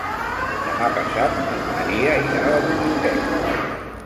Demà passat en Maria irà a la biblioteca.